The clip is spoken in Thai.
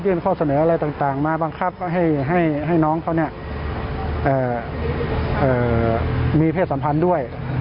ข้อเสนออะไรต่างมาบังคับให้น้องเขามีเพศสัมพันธ์ด้วย